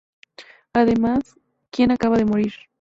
Además "Quien acaba de morir".